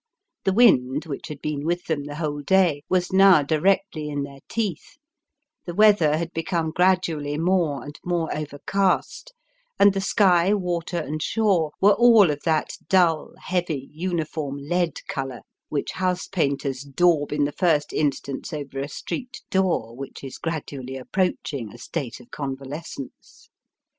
The wind, which had been with them the whole day, was now directly in their teeth ; the weather had become gradually more and more overcast ; and the sky, water, and shore, were all of that dull, heavy, uniform lead colour, which house painters daub in the first instance over a street door which is gradually approaching a state of convalescence.